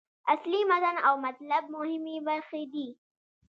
اصلي متن او مطلب مهمې برخې دي.